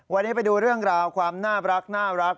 วันนี้ไปดูเรื่องราวความน่ารัก